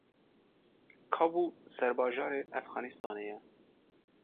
Kabûl serbajarê Efxanistanê ye.